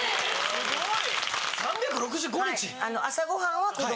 すごい！